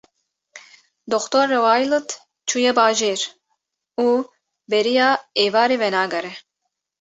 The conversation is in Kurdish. Dr. Rweylot çûye bajêr û beriya êvarê venagere.